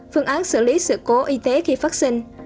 phương án xử lý sự cố y tế khi phát sinh